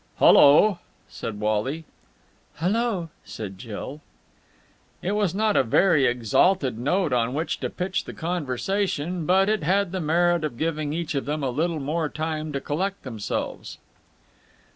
"Hullo!" said Wally. "Hullo!" said Jill. It was not a very exalted note on which to pitch the conversation, but it had the merit of giving each of them a little more time to collect themselves.